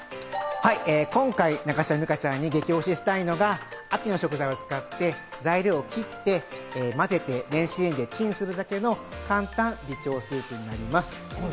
今回、中島美嘉ちゃんに激推ししたいのが、秋の食材を使って材料を切って、混ぜて、電子レンジでチンするだけの簡単美腸スープになります。